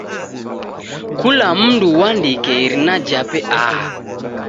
Kula mndu uandike irina jape aha.